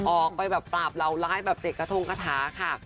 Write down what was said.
ออกไปแบบปราบเหล่าร้ายแบบเตะกะท้องกะท้าค่ะ